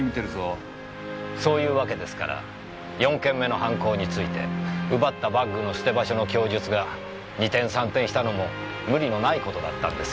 そういうわけで４件目の犯行についてバッグの捨て場所の供述が二転三転したのもムリのないことだったんですよ。